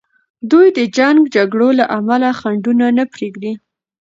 دوی د جنګ جګړو له امله خنډونه نه پریږدي.